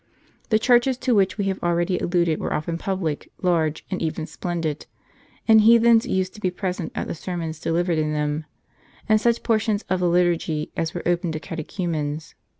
The churches to which we have already alluded were often public, large, and even splendid; and heathens used to be present at the sermons delivered in them, and such portions of the liturgy as were open to catechumens.